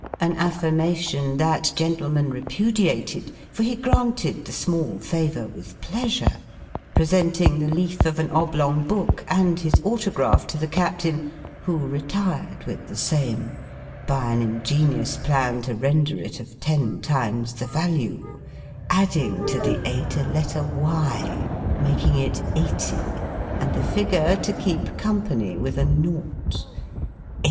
An affirmation that gentleman repudiated; for he granted the small favour with pleasure presenting the leaf of an oblong book, and his autograph, to the Captain; who retired with the same by an ingenious plan to render it of ten times the value adding to the eight a letter y, making it eight_y_, and the figure to keep company with a naught £80.